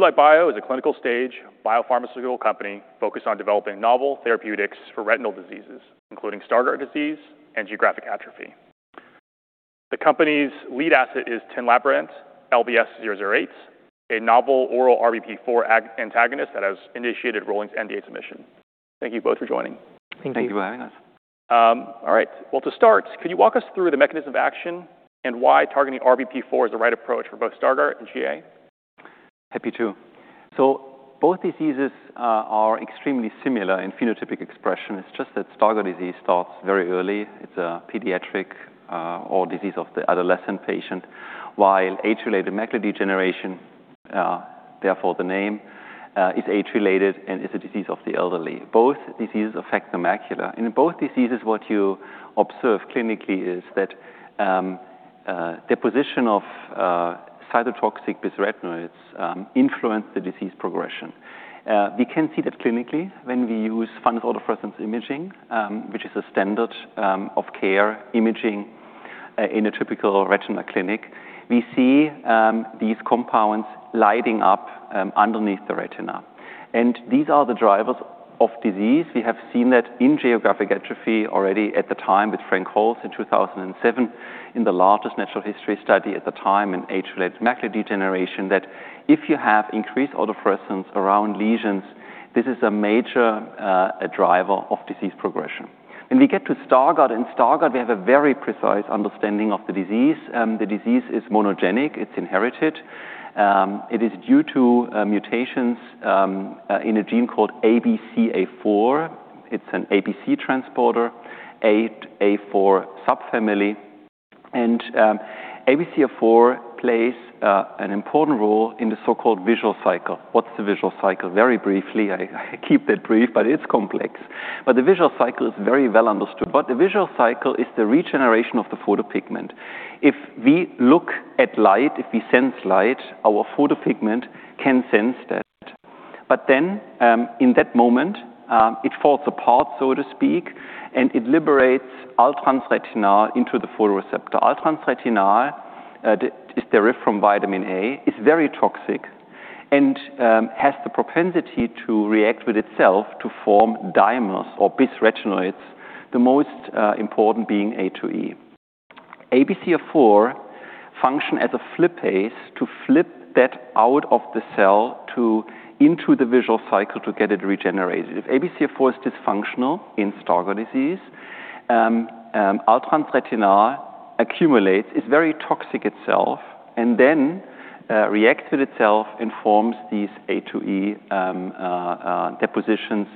Belite Bio is a clinical stage biopharmaceutical company focused on developing novel therapeutics for retinal diseases, including Stargardt disease and geographic atrophy. The company's lead asset is tinlarebant, LBS-008, a novel oral RBP4 antagonist that has initiated rolling NDA submission. Thank you both for joining. Thank you. Thank you for having us. All right. Well, to start, could you walk us through the mechanism of action and why targeting RBP4 is the right approach for both Stargardt and GA? Happy to. Both diseases are extremely similar in phenotypic expression. It's just that Stargardt disease starts very early. It's a pediatric or disease of the adolescent patient. While age-related macular degeneration, therefore the name, is age-related and is a disease of the elderly. Both diseases affect the macula. In both diseases, what you observe clinically is that deposition of cytotoxic bisretinoids influence the disease progression. We can see that clinically when we use fundus autofluorescence imaging, which is a standard of care imaging in a typical retinal clinic. We see these compounds lighting up underneath the retina. These are the drivers of disease. We have seen that in geographic atrophy already at the time with Frank Holz in 2007 in the largest natural history study at the time in age-related macular degeneration, that if you have increased autofluorescence around lesions, this is a major driver of disease progression. When we get to Stargardt, in Stargardt, we have a very precise understanding of the disease. The disease is monogenic. It's inherited. It is due to mutations in a gene called ABCA4. It's an ABC transporter, A4 subfamily. ABCA4 plays an important role in the so-called visual cycle. What's the visual cycle? Very briefly, I keep it brief, but it's complex. The visual cycle is very well understood. The visual cycle is the regeneration of the photopigment. If we look at light, if we sense light, our photopigment can sense that. In that moment, it falls apart, so to speak, and it liberates all-trans retinal into the photoreceptor. All-trans retinal is derived from vitamin A. It's very toxic and has the propensity to react with itself to form dimers or bisretinoids, the most important being A2E. ABCA4 function as a flipase to flip that out of the cell into the visual cycle to get it regenerated. If ABCA4 is dysfunctional in Stargardt disease, all-trans retinal accumulates. It's very toxic itself, and then reacts with itself and forms these A2E depositions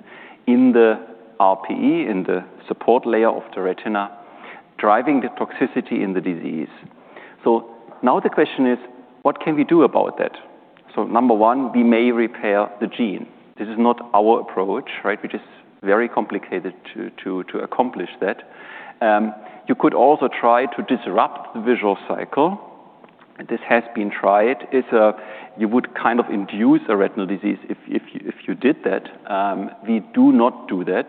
in the RPE, in the support layer of the retina, driving the toxicity in the disease. Now the question is, what can we do about that? Number 1, we may repair the gene. This is not our approach. Which is very complicated to accomplish that. You could also try to disrupt the visual cycle. This has been tried. You would kind of induce a retinal disease if you did that. We do not do that.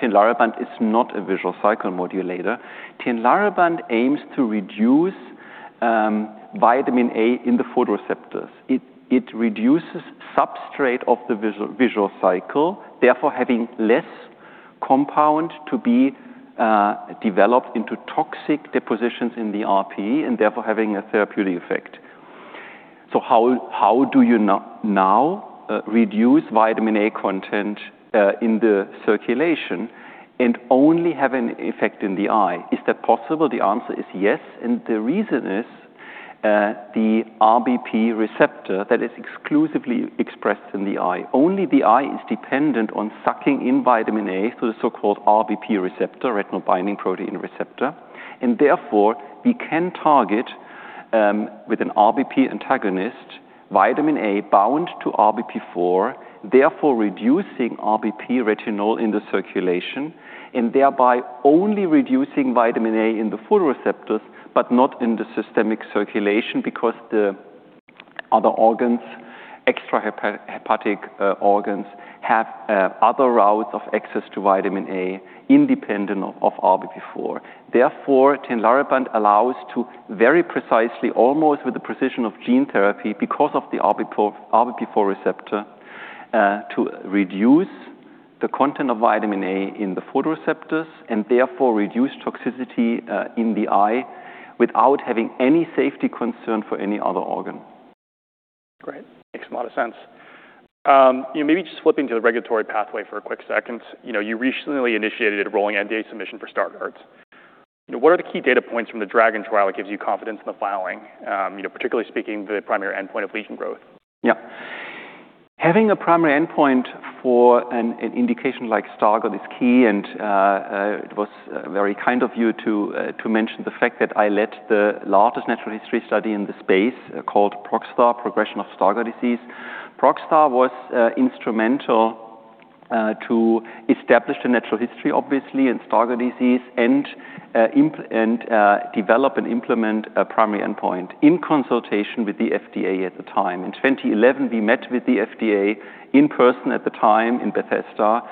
Tinlarebant is not a visual cycle modulator. Tinlarebant aims to reduce vitamin A in the photoreceptors. It reduces substrate of the visual cycle, therefore having less compound to be developed into toxic depositions in the RPE, and therefore having a therapeutic effect. How do you now reduce vitamin A content in the circulation and only have an effect in the eye? Is that possible? The answer is yes, and the reason is the RBP receptor that is exclusively expressed in the eye. Only the eye is dependent on sucking in vitamin A through the so-called RBP receptor, retinal binding protein receptor. Therefore, we can target, with an RBP antagonist, vitamin A bound to RBP4, therefore reducing RBP retinal in the circulation, and thereby only reducing vitamin A in the photoreceptors, but not in the systemic circulation because the other organs, extrahepatic organs, have other routes of access to vitamin A independent of RBP4. Therefore, tinlarebant allows to very precisely, almost with the precision of gene therapy because of the RBP4 receptor, to reduce the content of vitamin A in the photoreceptors and therefore reduce toxicity in the eye without having any safety concern for any other organ. Great. Makes a lot of sense. Maybe just flipping to the regulatory pathway for a quick second. You recently initiated a rolling NDA submission for Stargardt. What are the key data points from the DRAGON trial that gives you confidence in the filing, particularly speaking to the primary endpoint of lesion growth? Yeah. Having a primary endpoint for an indication like Stargardt is key, and it was very kind of you to mention the fact that I led the largest natural history study in the space called ProgStar, progression of Stargardt disease. ProgStar was instrumental to establish the natural history, obviously, in Stargardt disease and develop and implement a primary endpoint in consultation with the FDA at the time. In 2011, we met with the FDA in person at the time in Bethesda.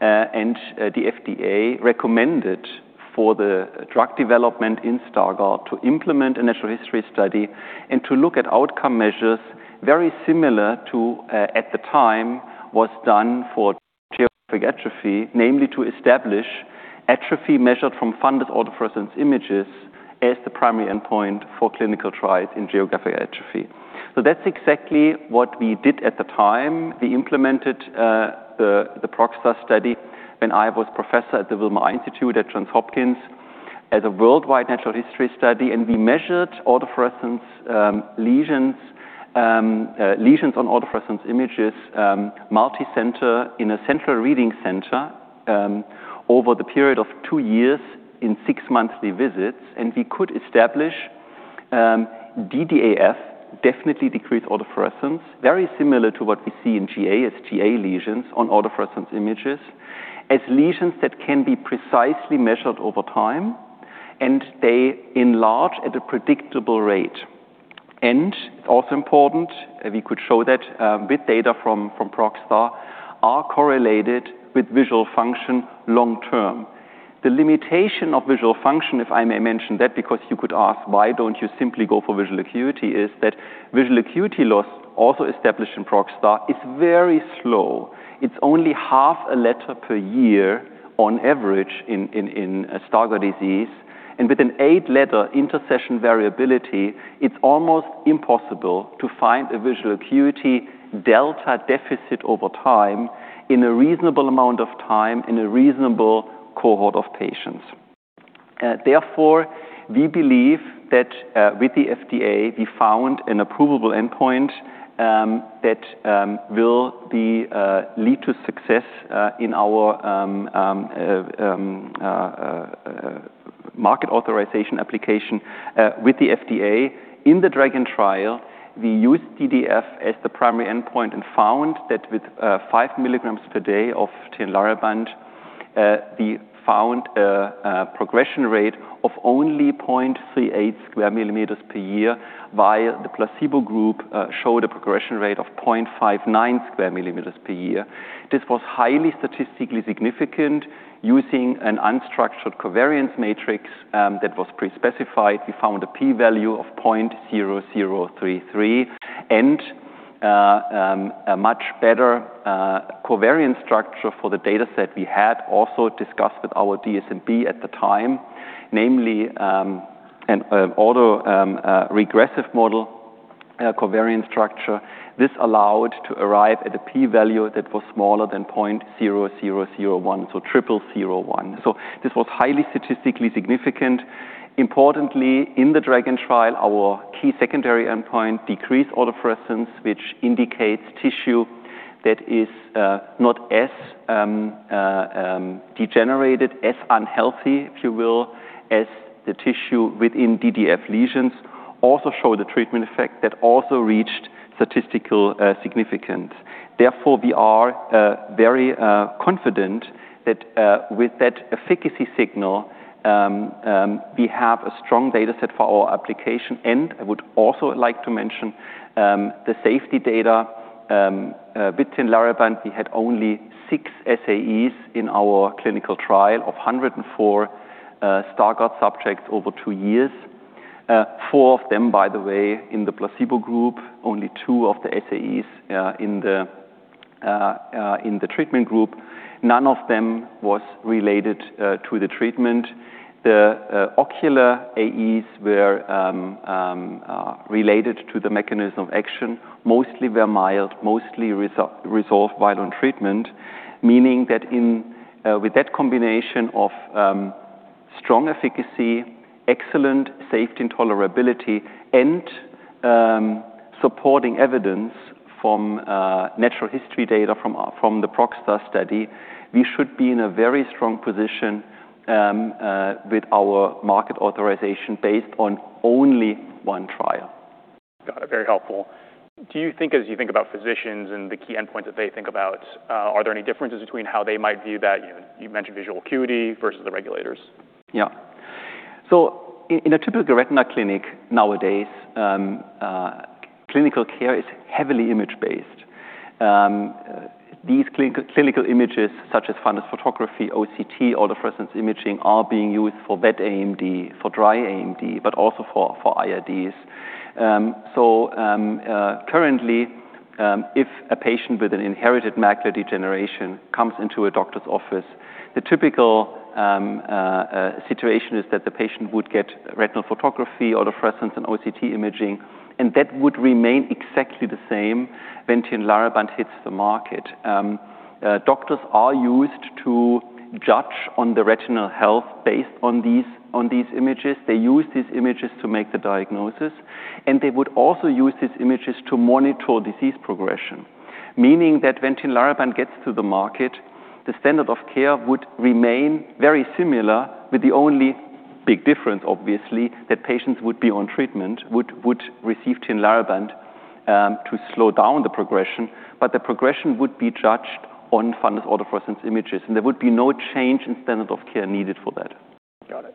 The FDA recommended for the drug development in Stargardt to implement a natural history study and to look at outcome measures very similar to, at the time, was done for geographic atrophy, namely to establish atrophy measured from funded autofluorescence images as the primary endpoint for clinical trials in geographic atrophy. So that's exactly what we did at the time. We implemented the ProgStar study when I was professor at the Wilmer Institute at Johns Hopkins as a worldwide natural history study, and we measured lesions on autofluorescence images, multicenter in a central reading center over the period of two years in six monthly visits. And we could establish DDAF, definitely decreased autofluorescence, very similar to what we see in GA as GA lesions on autofluorescence images, as lesions that can be precisely measured over time, and they enlarge at a predictable rate. Also important, we could show that with data from ProgStar are correlated with visual function long term. The limitation of visual function, if I may mention that, because you could ask, why don't you simply go for visual acuity, is that visual acuity loss also established in ProgStar is very slow. It's only half a letter per year on average in Stargardt disease. With an eight-letter intersession variability, it's almost impossible to find a visual acuity delta deficit over time in a reasonable amount of time in a reasonable cohort of patients. Therefore, we believe that with the FDA, we found an approvable endpoint that will lead to success in our market authorization application with the FDA. In the DRAGON trial, we used DDAF as the primary endpoint and found that with five milligrams per day of tinlarebant, we found a progression rate of only 0.38 square millimeters per year, while the placebo group showed a progression rate of 0.59 square millimeters per year. This was highly statistically significant using an unstructured covariance matrix that was pre-specified. We found a p-value of 0.0033 and a much better covariance structure for the dataset we had also discussed with our DSMB at the time, namely an autoregressive model covariance structure. This allowed to arrive at a p-value that was smaller than 0.0001, so triple zero one. This was highly statistically significant. Importantly, in the DRAGON trial, our key secondary endpoint decreased autofluorescence, which indicates tissue that is not as degenerated, as unhealthy, if you will, as the tissue within DDAF lesions also show the treatment effect that also reached statistical significance. Therefore, we are very confident that with that efficacy signal, we have a strong dataset for our application. I would also like to mention the safety data. With tinlarebant, we had only six SAEs in our clinical trial of 104 Stargardt subjects over two years. Four of them, by the way, in the placebo group. Only two of the SAEs in the treatment group. None of them was related to the treatment. The ocular AEs were related to the mechanism of action. Mostly were mild, mostly resolved while on treatment, meaning that with that combination of strong efficacy, excellent safety and tolerability, and supporting evidence from natural history data from the ProgStar study, we should be in a very strong position with our market authorization based on only one trial. Got it. Very helpful. Do you think as you think about physicians and the key endpoint that they think about, are there any differences between how they might view that? You mentioned visual acuity versus the regulators. Yeah. In a typical retina clinic nowadays, clinical care is heavily image based. These clinical images, such as fundus photography, OCT, autofluorescence imaging, are being used for wet AMD, for dry AMD, but also for IRDs. Currently, if a patient with an inherited macular degeneration comes into a doctor's office, the typical situation is that the patient would get retinal photography, autofluorescence, and OCT imaging, and that would remain exactly the same when tinlarebant hits the market. Doctors are used to judge on the retinal health based on these images. They use these images to make the diagnosis, and they would also use these images to monitor disease progression. Meaning that when tinlarebant gets to the market, the standard of care would remain very similar with the only big difference, obviously, that patients would be on treatment, would receive tinlarebant to slow down the progression. The progression would be judged on fundus autofluorescence images, and there would be no change in standard of care needed for that. Got it.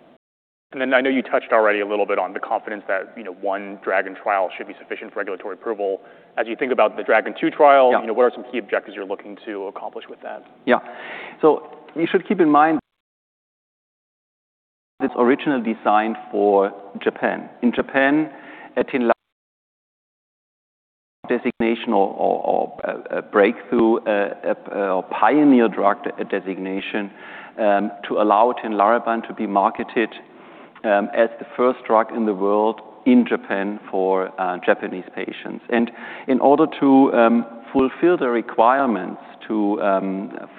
Then I know you touched already a little bit on the confidence that one DRAGON trial should be sufficient for regulatory approval. As you think about the DRAGON II trial Yeah What are some key objectives you're looking to accomplish with that? Yeah. You should keep in mind it's originally designed for Japan. In Japan, a tinlarebant designation or breakthrough or pioneer drug designation to allow tinlarebant to be marketed as the first drug in the world in Japan for Japanese patients. In order to fulfill the requirements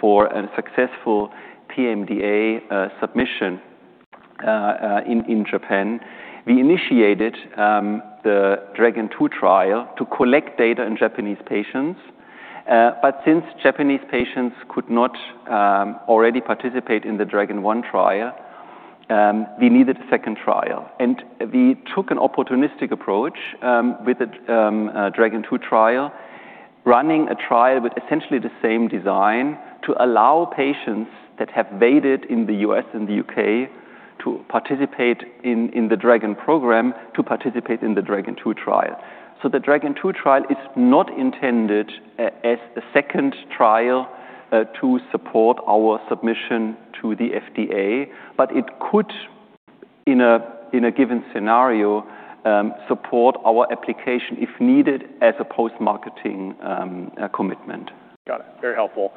for a successful PMDA submission in Japan, we initiated the DRAGON II trial to collect data in Japanese patients. Since Japanese patients could not already participate in the DRAGON I trial, we needed a second trial. We took an opportunistic approach with the DRAGON II trial, running a trial with essentially the same design to allow patients that have vaded in the U.S. and the U.K. to participate in the DRAGON program to participate in the DRAGON II trial. The DRAGON II trial is not intended as a second trial to support our submission to the FDA, it could, in a given scenario, support our application if needed as a post-marketing commitment. Got it. Very helpful.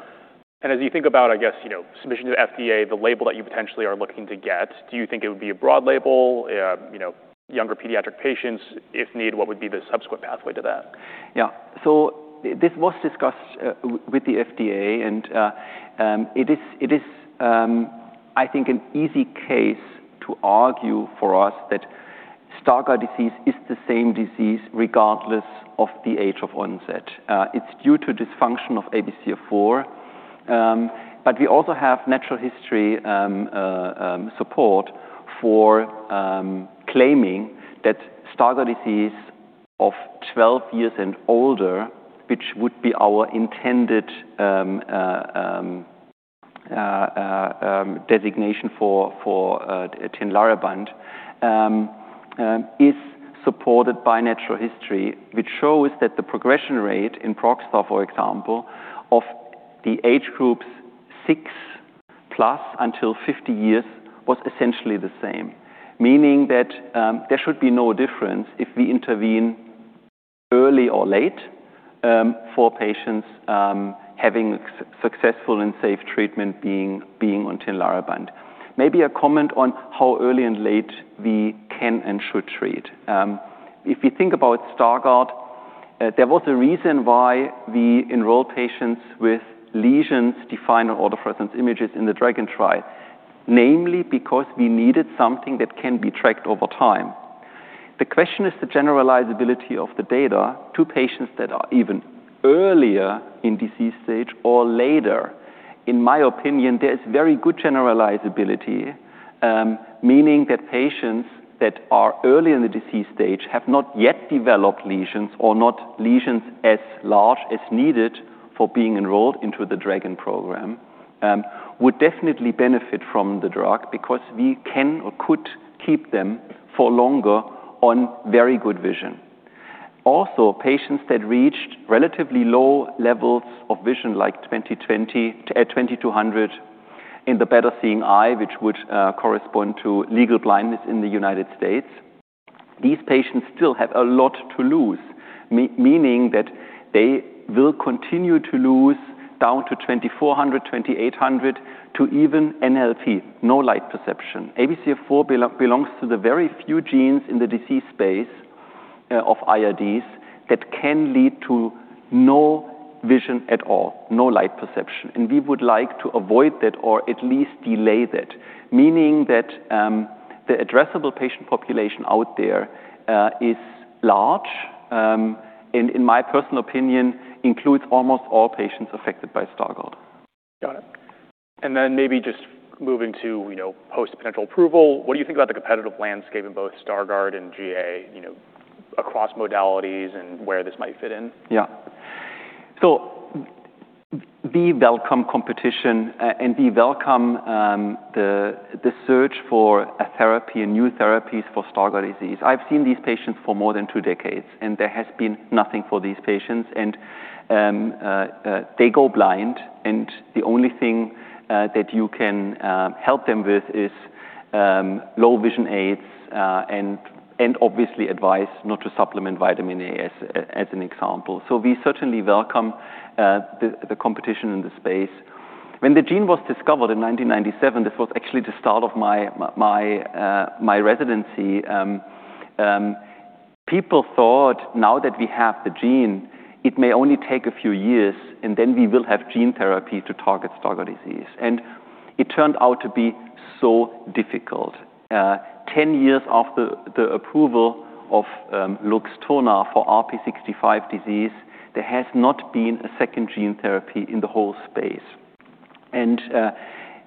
As you think about, I guess, submission to the FDA, the label that you potentially are looking to get, do you think it would be a broad label, younger pediatric patients if needed, what would be the subsequent pathway to that? Yeah. This was discussed with the FDA, it is I think an easy case to argue for us that Stargardt disease is the same disease regardless of the age of onset. It's due to dysfunction of ABCA4. We also have natural history support for claiming that Stargardt disease of 12 years and older, which would be our intended designation for tinlarebant, is supported by natural history, which shows that the progression rate in ProgStar, for example, of the age groups six plus until 50 years was essentially the same. Meaning that there should be no difference if we intervene early or late for patients having successful and safe treatment being on tinlarebant. Maybe a comment on how early and late we can and should treat. If you think about Stargardt, there was a reason why we enrolled patients with lesions defined on autofluorescence images in the DRAGON trial, namely because we needed something that can be tracked over time. The question is the generalizability of the data to patients that are even earlier in disease stage or later. In my opinion, there is very good generalizability, meaning that patients that are early in the disease stage have not yet developed lesions or not lesions as large as needed for being enrolled into the DRAGON program, would definitely benefit from the drug because we can or could keep them for longer on very good vision. Also, patients that reached relatively low levels of vision, like 20/20 to 20/200 in the better seeing eye, which would correspond to legal blindness in the U.S. These patients still have a lot to lose, meaning that they will continue to lose down to 2400, 2800 to even NLP, no light perception. ABCA4 belongs to the very few genes in the disease space of IRDs that can lead to no vision at all, no light perception, and we would like to avoid that or at least delay that. Meaning that the addressable patient population out there is large, in my personal opinion, includes almost all patients affected by Stargardt. Got it. Then maybe just moving to post potential approval, what do you think about the competitive landscape in both Stargardt and GA across modalities and where this might fit in? Yeah. We welcome competition and we welcome the search for a therapy, a new therapies for Stargardt disease. I've seen these patients for more than 2 decades, and there has been nothing for these patients, and they go blind, and the only thing that you can help them with is low vision aids and obviously advice not to supplement vitamin A as an example. We certainly welcome the competition in the space. When the gene was discovered in 1997, this was actually the start of my residency. People thought now that we have the gene, it may only take a few years, and then we will have gene therapy to target Stargardt disease. It turned out to be so difficult. 10 years after the approval of LUXTURNA for RPE65 disease, there has not been a second gene therapy in the whole space.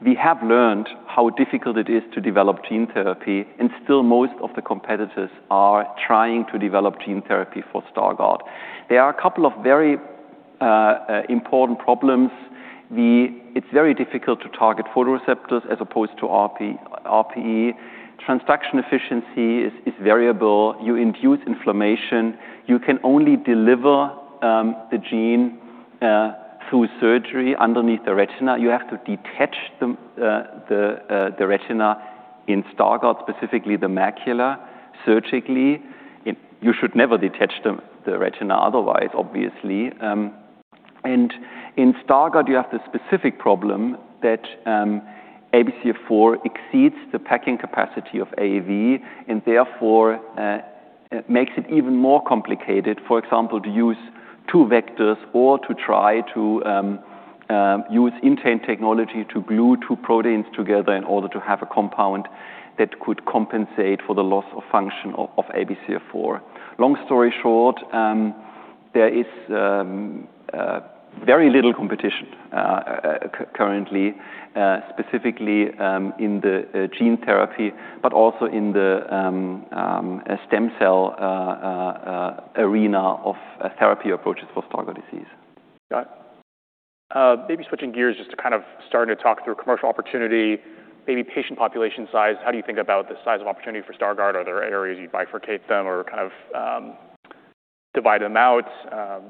We have learned how difficult it is to develop gene therapy, and still most of the competitors are trying to develop gene therapy for Stargardt. There are a couple of very important problems. It is very difficult to target photoreceptors as opposed to RPE. Transduction efficiency is variable. You induce inflammation. You can only deliver the gene through surgery underneath the retina. You have to detach the retina, in Stargardt, specifically the macula, surgically. You should never detach the retina otherwise, obviously. In Stargardt, you have the specific problem that ABCA4 exceeds the packing capacity of AAV, and therefore, makes it even more complicated, for example, to use two vectors or to try to use intent technology to glue two proteins together in order to have a compound that could compensate for the loss of function of ABCA4. Long story short, there is very little competition currently, specifically in the gene therapy, but also in the stem cell arena of therapy approaches for Stargardt disease. Got it. Maybe switching gears just to kind of starting to talk through commercial opportunity, maybe patient population size. How do you think about the size of opportunity for Stargardt? Are there areas you'd bifurcate them or kind of divide them out?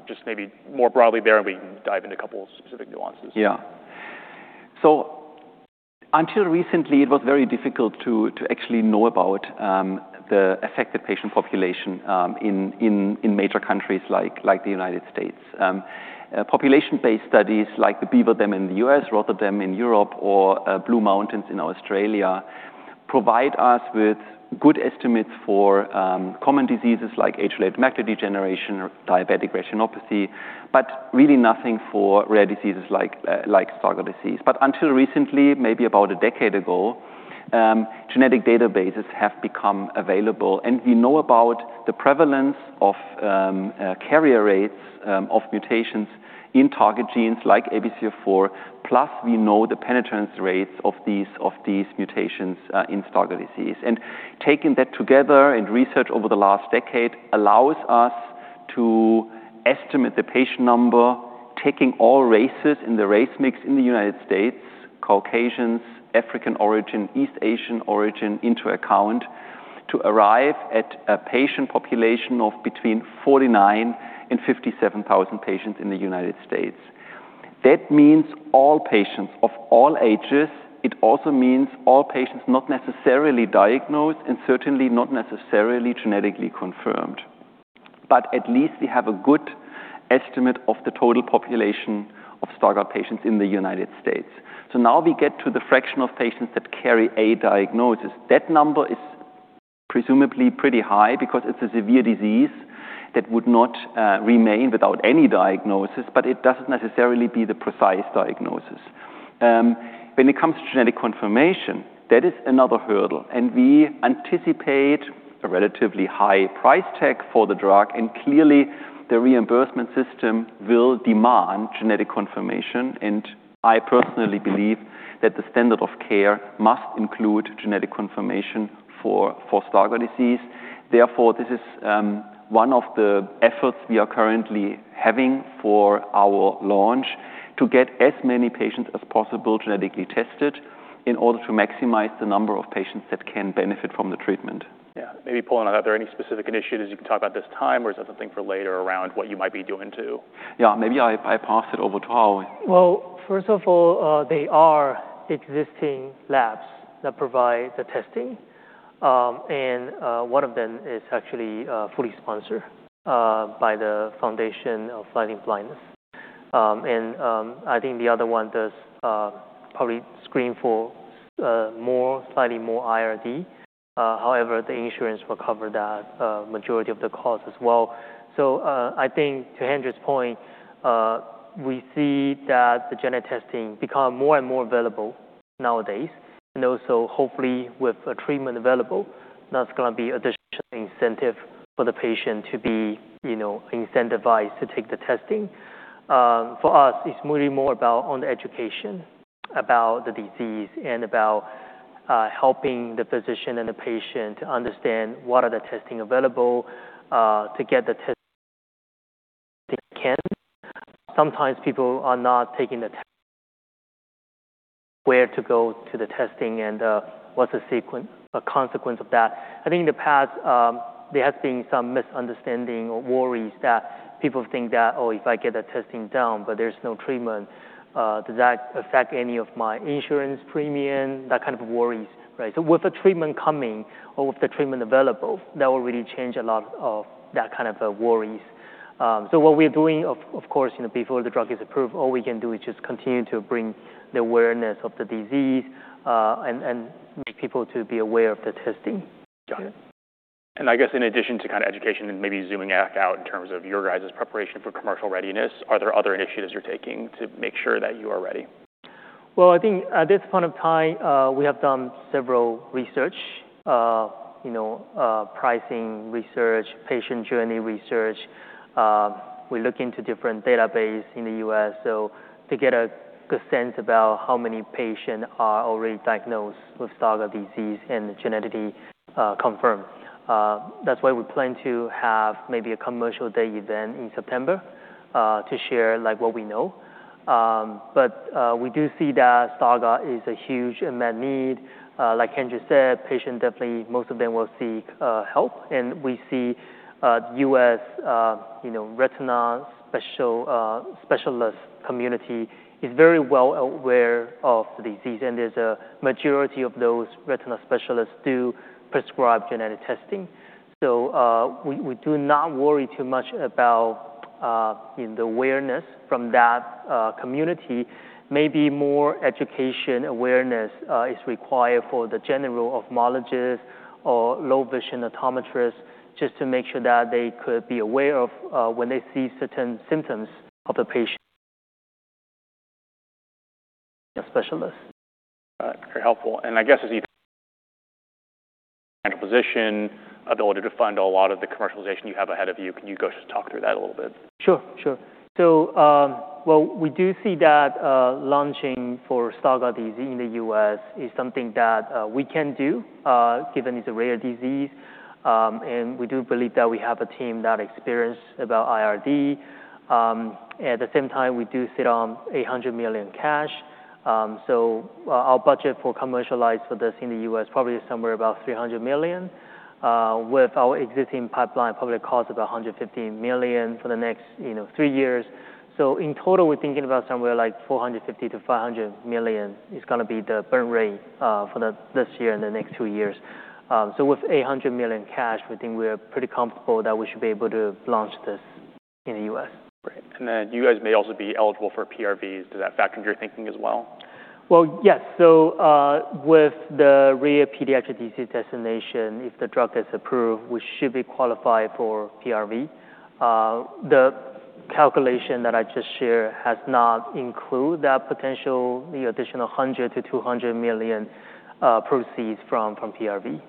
Just maybe more broadly there, we can dive into a couple specific nuances. Yeah. Until recently, it was very difficult to actually know about the affected patient population in major countries like the U.S. Population-based studies like the Beaver Dam in the U.S., Rotterdam in Europe, or Blue Mountains in Australia provide us with good estimates for common diseases like age-related macular degeneration or diabetic retinopathy, but really nothing for rare diseases like Stargardt disease. Until recently, maybe about a decade ago, genetic databases have become available, and we know about the prevalence of carrier rates of mutations in target genes like ABCA4, plus we know the penetrance rates of these mutations in Stargardt disease. Taking that together and research over the last decade allows us to estimate the patient number, taking all races in the race mix in the U.S., Caucasians, African origin, East Asian origin, into account to arrive at a patient population of between 49 and 57,000 patients in the U.S. That means all patients of all ages. It also means all patients not necessarily diagnosed and certainly not necessarily genetically confirmed. At least we have a good estimate of the total population of Stargardt patients in the U.S. Now we get to the fraction of patients that carry a diagnosis. That number is presumably pretty high because it's a severe disease that would not remain without any diagnosis, but it doesn't necessarily be the precise diagnosis. When it comes to genetic confirmation, that is another hurdle. We anticipate a relatively high price tag for the drug. Clearly the reimbursement system will demand genetic confirmation. I personally believe that the standard of care must include genetic confirmation for Stargardt disease. This is one of the efforts we are currently having for our launch to get as many patients as possible genetically tested in order to maximize the number of patients that can benefit from the treatment. Yeah. Maybe, Paul, are there any specific initiatives you can talk about this time, or is that something for later? Yeah. Maybe I pass it over to Hao-Yuan. Well, first of all, they are existing labs that provide the testing. One of them is actually fully sponsored by the Foundation Fighting Blindness. I think the other one does probably screen for slightly more IRD. However, the insurance will cover that majority of the cost as well. I think to Hendrik's point, we see that the genetic testing become more and more available nowadays, hopefully with a treatment available, that's going to be additional incentive for the patient to be incentivized to take the testing. For us, it's really more about on education about the disease and about helping the physician and the patient understand what are the testing available to get the test they can. Sometimes people are not taking the test, where to go to the testing, and what's a consequence of that. I think in the past, there has been some misunderstanding or worries that people think that, "Oh, if I get the testing done, but there's no treatment, does that affect any of my insurance premium?" That kind of worries, right? With the treatment coming or with the treatment available, that will really change a lot of that kind of worries. What we're doing, of course, before the drug is approved, all we can do is just continue to bring the awareness of the disease and make people to be aware of the testing. Got it. I guess in addition to kind of education and maybe zooming back out in terms of your guys' preparation for commercial readiness, are there other initiatives you're taking to make sure that you are ready? Well, I think at this point of time, we have done several research, pricing research, patient journey research. We look into different database in the U.S. to get a good sense about how many patient are already diagnosed with Stargardt disease and genetically confirmed. That's why we plan to have maybe a commercial day event in September to share what we know. We do see that Stargardt is a huge unmet need. Like Hendrik said, patients, definitely most of them will seek help, and we see U.S. retina specialist community is very well aware of the disease, and there's a majority of those retina specialists do prescribe genetic testing. We do not worry too much about the awareness from that community. Maybe more education awareness is required for the general ophthalmologist or low vision optometrist, just to make sure that they could be aware of when they see certain symptoms of the patient specialist. Very helpful. I guess as you position ability to fund a lot of the commercialization you have ahead of you, can you just talk through that a little bit? Sure. We do see that launching for Stargardt disease in the U.S. is something that we can do, given it's a rare disease. We do believe that we have a team that experienced about IRD. At the same time, we do sit on $800 million cash. Our budget for commercialize for this in the U.S. probably is somewhere about $300 million. With our existing pipeline, probably cost about $150 million for the next three years. In total, we're thinking about somewhere like $450 million-$500 million is going to be the burn rate for this year and the next two years. With $800 million cash, we think we are pretty comfortable that we should be able to launch this in the U.S. Great. Then you guys may also be eligible for PRVs. Does that factor into your thinking as well? Well, yes. With the rare pediatric disease designation, if the drug is approved, we should be qualified for PRV. The calculation that I just shared has not included that potential additional $100 million-$200 million proceeds from PRV.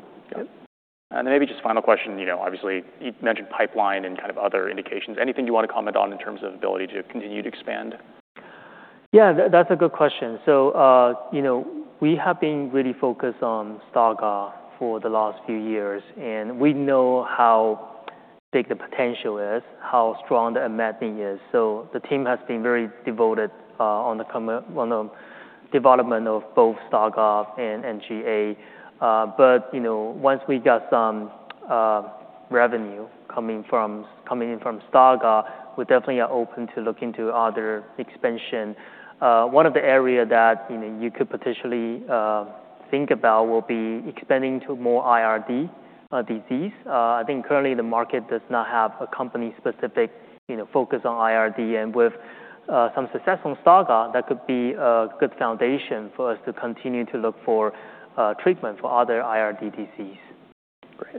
Maybe just final question. Obviously, you mentioned pipeline and kind of other indications. Anything you want to comment on in terms of ability to continue to expand? Yeah, that's a good question. We have been really focused on Stargardt for the last few years, and we know how big the potential is, how strong the unmet need is. The team has been very devoted on the development of both Stargardt and GA. Once we got some revenue coming in from Stargardt, we definitely are open to look into other expansion. One of the area that you could potentially think about will be expanding to more IRD disease. I think currently the market does not have a company specific focus on IRD, with some success on Stargardt, that could be a good foundation for us to continue to look for treatment for other IRD disease. Great